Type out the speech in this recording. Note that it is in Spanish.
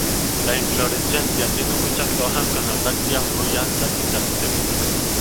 La inflorescencia tiene muchas hojas con las brácteas muy anchas y características.